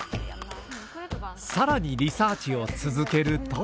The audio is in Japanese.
さらにリサーチを続けると。